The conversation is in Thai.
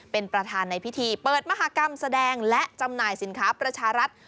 เป็นประธานในพิธีเปิดมหากรรมแสดงและจำหน่ายสินค้าประชารัฐ